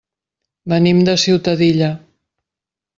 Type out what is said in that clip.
Venim de Ciutadilla.